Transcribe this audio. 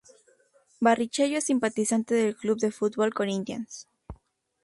Barrichello es simpatizante del club de fútbol Corinthians.